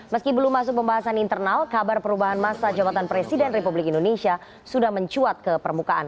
meski belum masuk pembahasan internal kabar perubahan masa jabatan presiden republik indonesia sudah mencuat ke permukaan